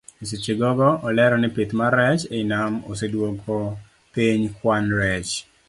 Eseche ogogo olero ni pith mar rech ei nam oseduoko piny kwan rech.